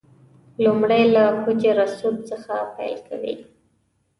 لومړی له حجر اسود څخه پیل کوي.